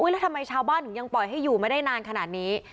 แล้วทำไมชาวบ้านถึงยังปล่อยให้อยู่ไม่ได้นานขนาดนี้